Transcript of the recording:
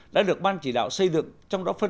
đã được ban chỉ đạo xây dựng và tổng hợp pháp lý